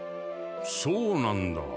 そうなんだ。